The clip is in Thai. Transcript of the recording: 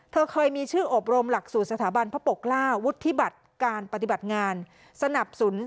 เธอเคยมีชื่ออบรมหลักสูตรสถาบันพระปกเกล้าวุฒิบัติการปฏิบัติงานสนับสนุน